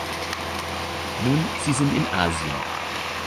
Nun, sie sind in Asien.